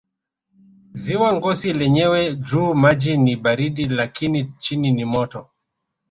Ziwa Ngosi lenyewe juu maji ni baridi lakini chini ni moto